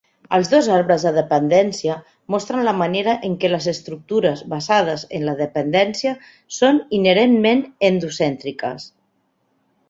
Els dos arbres de dependència mostren la manera en què les estructures basades en la dependència són inherentment endocèntriques.